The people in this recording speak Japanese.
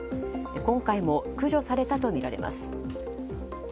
今回も駆除されたとみられます。